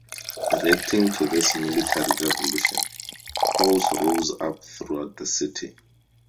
Reacting to this military revolution, Poles rose up throughout the city.